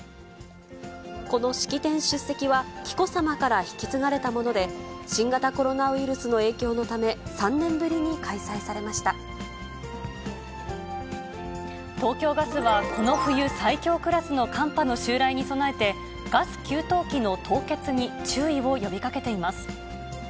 この式典出席は、紀子さまから引き継がれたもので、新型コロナウイルスの影響のため、東京ガスは、この冬最強クラスの寒波の襲来に備えて、ガス給湯器の凍結に注意を呼びかけています。